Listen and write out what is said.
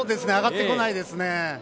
上がってこないですね。